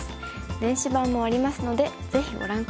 電子版もありますのでぜひご覧下さい。